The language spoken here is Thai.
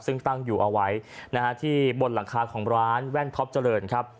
ซึ่งตั้งอยู่เอาไว้นะฮะที่บนหลังคาของร้านแว่นท็อปเจริญครับ